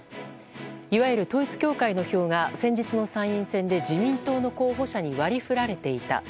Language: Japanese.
いわゆる統一教会の票が先日の参院選で自民党の候補者に割り振られていた。